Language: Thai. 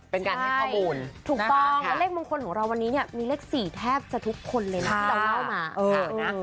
เป็นการให้เข้าบุญถูกต้องและเลขมงคลของเราวันนี้เนี่ยมีเลข๔แทบจะทุกคนเลย